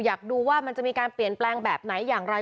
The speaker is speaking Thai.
อยากดูว่ามันจะมีการเปลี่ยนแปลงแบบไหนอย่างไร